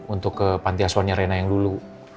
untuk ke panti asuhannya rena yang dulu